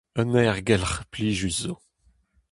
Un aergelc'h plijus zo.